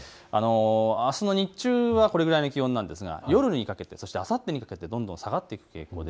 あすの日中はこれぐらいの気温ですが、夜にかけて、そしてあさってにかけて下がっていきます。